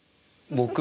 僕